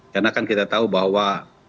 karena kan kita tahu bahwa